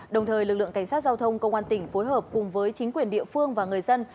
đồng thời lực lượng cảnh sát giao thông công an tỉnh phối hợp cùng với chính quyền địa phương và người dân